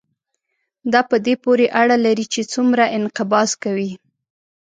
دا په دې پورې اړه لري چې څومره انقباض کوي.